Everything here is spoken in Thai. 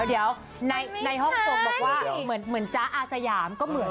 เดี๋ยวในห้องทรงบอกว่าเหมือนจ๊ะอาสยามก็เหมือน